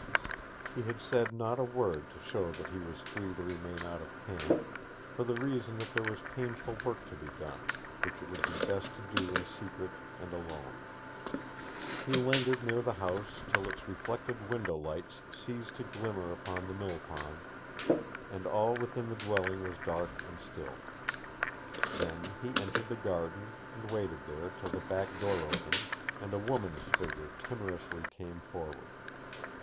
He had said not a word to show that he was free to remain out of camp, for the reason that there was painful work to be done, which it would be best to do in secret and alone. He lingered near the house till its reflected window lights ceased to glimmer upon the mill pond, and all within the dwelling was dark and still. Then he entered the garden and waited there till the back door opened, and a woman's figure timorously came forward.